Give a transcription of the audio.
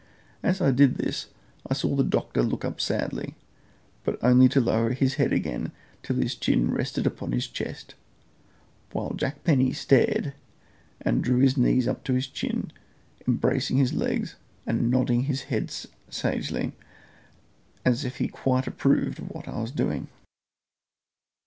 As I did all this I saw the doctor look up sadly, but only to lower his head again till his chin rested upon his breast; while Jack Penny stared, and drew his knees up to his chin, embracing his legs and nodding his head sagely, as if he quite approved of what I was doing.